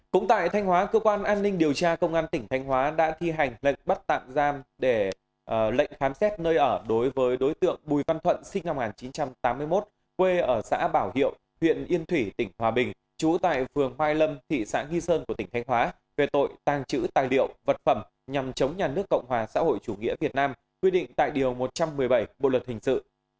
cũng tại thanh hóa cơ quan an ninh điều tra công an tỉnh thanh hóa đã thi hành lệnh bắt tạm giam để lệnh khám xét nơi ở đối với đối tượng bùi văn thuận sinh năm một nghìn chín trăm tám mươi một quê ở xã bảo hiệu huyện yên thủy tỉnh hòa bình trú tại phường hoài lâm thị xã nghi sơn của tỉnh thanh hóa về tội tàng trữ tài liệu vật phẩm nhằm chống nhà nước cộng hòa xã hội chủ nghĩa việt nam quy định tại điều một trăm một mươi bảy bộ luật hình sự